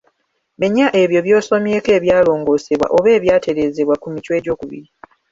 Menya ebyo by'osomyeko ebyalongoosebwa oba ebyatereezebwa ku Michwa II.